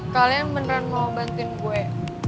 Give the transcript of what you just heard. kalian beneran mau bantuin gue